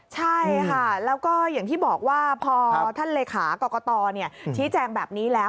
ใช่ค่ะแล้วก็อย่างที่บอกว่าพอท่านเลขากรกตชี้แจงแบบนี้แล้ว